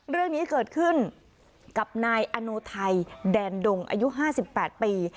เรื่องนี้เกิดขึ้นกับนายอโนไทยแดนดงอายุ๕๘ปี